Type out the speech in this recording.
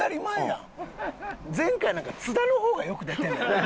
前回なんか津田の方がよく出てんねん。